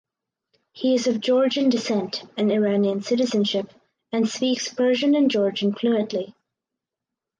He is of Georgian descent and Iranian citizenship and speaks Persian and Georgian fluently.